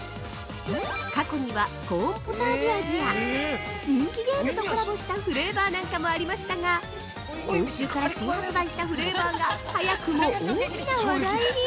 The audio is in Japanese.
過去には、コーンポタージュ味や人気ゲームとコラボしたフレーバーなんかもありましたが今週から新発売したフレーバーが早くも大きな話題に！